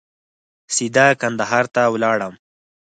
سیده کندهار ته ولاړم.